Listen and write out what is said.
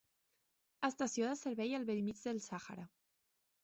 Estació de servei al bell mig del Sàhara.